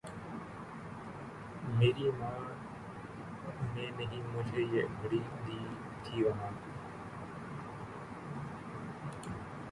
میریں مامیںں نیں مجھیں یہ گھڑی دی تھی وہاں